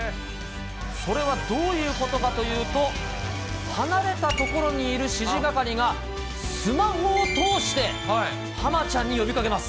それはどういうことかというと、離れた所にいる指示係がスマホを通してハマちゃんに呼びかけます。